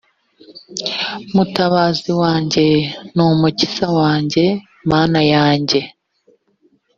mutabazi wanjye n umukiza wanjye mana yanjye